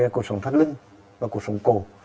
cột sống thắt lưng và cột sống cổ